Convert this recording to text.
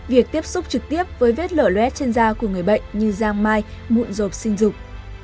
việc tiếp xúc trực tiếp với vết lở luet trên da của người bệnh như giang mai mụn rộp sinh dục